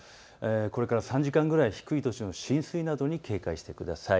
これから３時間ぐらい、低い土地の浸水などに警戒してください。